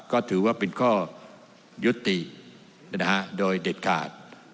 ก็ถือว่าเป็นข้อยุติโดยเด็ดขาด